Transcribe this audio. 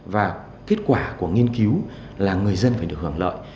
và kết quả của nghiên cứu là người dân phải được hưởng lợi